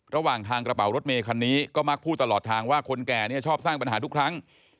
ระหว่างทางกระเป๋ารถเมย์คันนี้ก็มักพูดตลอดทางว่าคนแก่เนี่ยชอบสร้างปัญหาทุกครั้ง